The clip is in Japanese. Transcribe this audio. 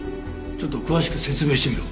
ちょっと詳しく説明してみろ。